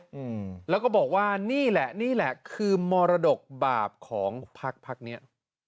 อืมแล้วก็บอกว่านี่แหละนี่แหละคือมรดกบาปของพักพักเนี้ย